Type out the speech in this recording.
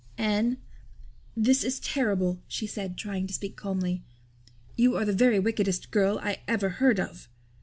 "Anne, this is terrible," she said, trying to speak calmly. "You are the very wickedest girl I ever heard of."